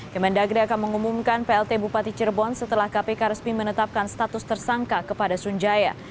kemendagri akan mengumumkan plt bupati cirebon setelah kpk resmi menetapkan status tersangka kepada sunjaya